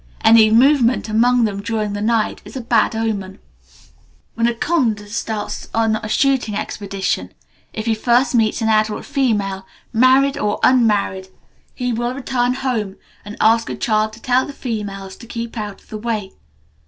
Any movement among them during the night is a bad omen. When a Kondh starts on a shooting expedition, if he first meets an adult female, married or unmarried, he will return home, and ask a child to tell the females to keep out of the way.